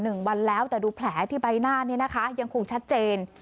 หนึ่งวันแล้วแต่ดูแผลที่ใบหน้านี้นะคะยังคงชัดเจน